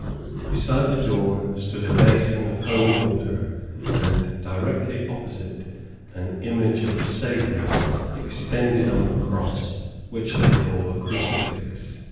Beside the door stood a basin of holy water, and directly opposite, an image of the Saviour extended on the cross which they call a crucifix.